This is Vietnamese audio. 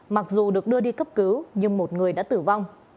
mặc dù được đưa đi cấp cứu nhưng một người đã tử vong